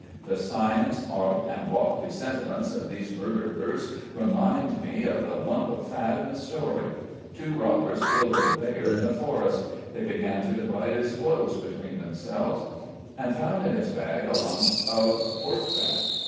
The science, art, and lofty sentiments of these murderers remind me of the lump of fat in the story. Two robbers killed a beggar in a forest; they began to divide his clothes between themselves and found in his bag a lump of pork fat.